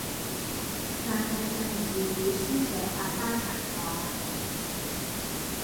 但係近年粵語書寫百花齊放